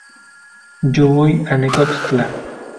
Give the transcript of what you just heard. yo voy a Necoxtla.